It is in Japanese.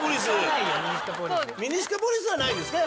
「ミニスカポリス」はないですね？